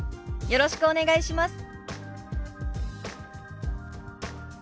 よろしくお願いします。